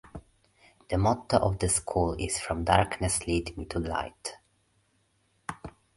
The motto of the school is "From darkness lead me to light".